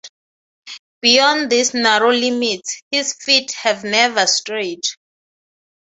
Beyond these narrow limits his feet have never strayed.